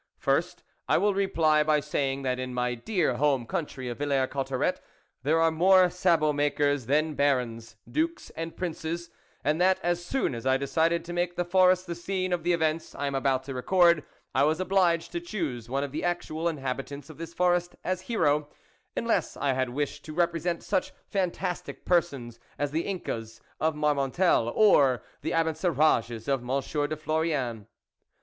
First, I will reply by saying that, in my dear home country of Villers Cotterets, there are more sabot makers than barons, dukes and princes, and that, as soon as I decided to make the forest the scene of the events I am about to record, I was obliged to choose one of the actual inhabitants of this forest as hero, unless I had wished to represent such fantastic persons as the Incas of Marmontel or the Abencerages of M. de Florian.